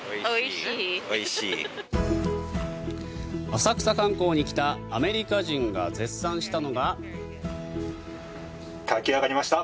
浅草観光に来たアメリカ人が絶賛したのが。